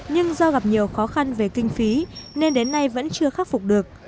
nhưng do gặp nhiều khó khăn về kinh phí nên đến nay vẫn chưa khắc phục được